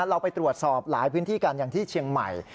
เราไปตรวจสอบหลายพื้นที่กันอย่างที่เชียงใหม่